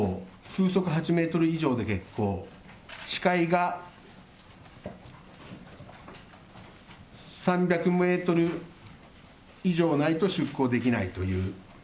風速８メートル以上で欠航、視界が３００メートル以上ないと出航できないという。